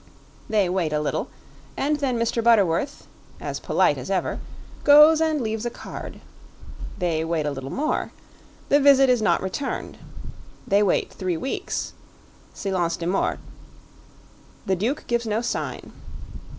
They wait a little, and then Mr. Butterworth as polite as ever goes and leaves a card. They wait a little more; the visit is not returned; they wait three weeks silence de mort the Duke gives no sign.